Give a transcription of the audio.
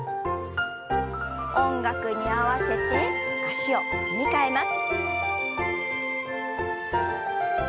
音楽に合わせて足を踏み替えます。